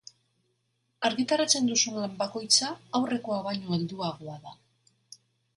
Argitaratzen duzun lan bakoitza aurrekoa baino helduagoa da.